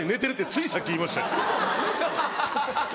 ついさっき言いましたから。